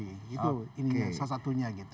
itu ini salah satunya gitu